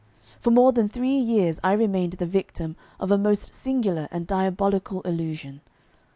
For more than three years I remained the victim of a most singular and diabolical illusion.